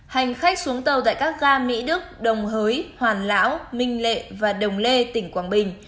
hành khách xuống tàu tại các ga mỹ đức đồng hới hoàn lão minh lệ và đồng lê tỉnh quảng bình